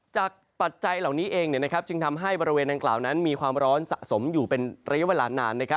ปัจจัยเหล่านี้เองจึงทำให้บริเวณดังกล่าวนั้นมีความร้อนสะสมอยู่เป็นระยะเวลานาน